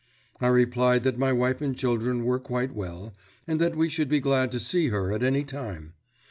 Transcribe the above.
I replied that my wife and children were quite well, and that we should be glad to see her at any time.